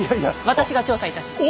私が調査いたします。